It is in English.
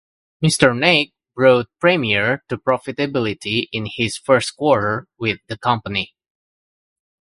Mr. Naik brought Premier to profitability in his first quarter with the company.